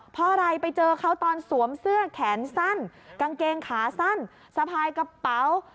เพราะอะไรไปเจอเขาตอนสวมเสื้อแขนสั้นกางเกงขาสั้นสะพายกระเป๋า